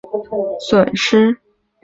日军空袭中途岛造成了广泛的损失。